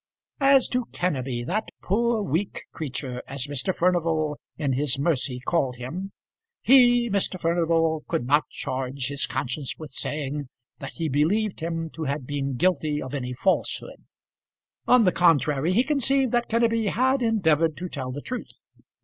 As to Kenneby, that poor weak creature, as Mr. Furnival in his mercy called him, he, Mr. Furnival, could not charge his conscience with saying that he believed him to have been guilty of any falsehood. On the contrary, he conceived that Kenneby had endeavoured to tell the truth.